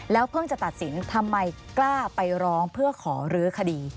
เพิ่งจะตัดสินทำไมกล้าไปร้องเพื่อขอรื้อคดี